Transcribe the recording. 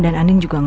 apa yang lu buat